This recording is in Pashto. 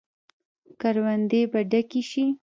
کروندې به ډکې شي.